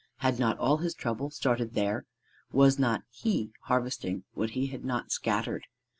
Had not all his trouble started there? Was not he harvesting what he had not scattered?